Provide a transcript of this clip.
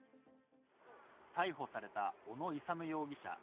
逮捕された小野勇容疑者